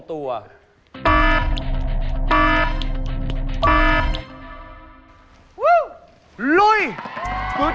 ไม่กินเป็นร้อย